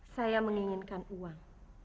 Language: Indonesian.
saya menginginkan uang